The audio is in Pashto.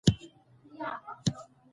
ایا ستاسو په کور کې د ورزش وسایل شته؟